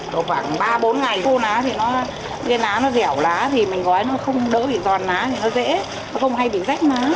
rồi khoảng ba bốn ngày khô lá thì cái lá nó dẻo lá thì mình gói nó không đỡ bị giòn lá thì nó dễ nó không hay bị rách lá